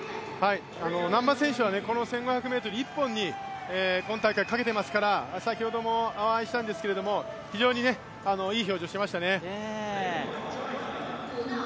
難波選手はこの１５００ｍ、１本にかけてますから先ほどもお会いしたんですけれども非常にいい表情してましたね。